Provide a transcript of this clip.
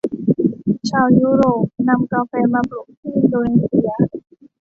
ชาวยุโรปนำกาแฟมาปลูกที่อินโดนีเชีย